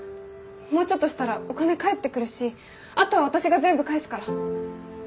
もうちょっとしたらお金返ってくるしあとは私が全部返すから。